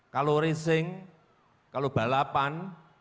kalau racing kalau balapan